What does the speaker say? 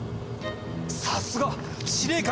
さすが！司令官！